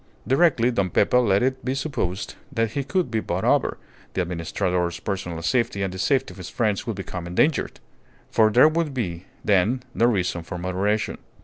Directly Don Pepe let it be supposed that he could be bought over, the Administrador's personal safety and the safety of his friends would become endangered. For there would be then no reason for moderation.